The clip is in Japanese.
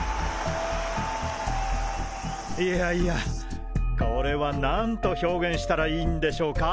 いやいやこれは何と表現したらいいんでしょうか？